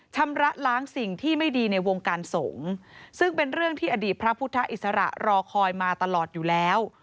ชำระล้างสิ่งที่ไม่ดีในวงการสงฆ์ซึ่งเป็นเรื่องที่อดีตพระพุทธอิสระรอคอยมาตลอดอยู่แล้ว